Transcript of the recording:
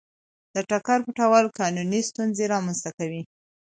د ټکر پټول قانوني ستونزه رامنځته کوي.